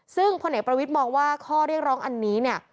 ซึ่งพลเอกประวิทย์มองว่าข้อเรียกร้องอันนี้เนี่ย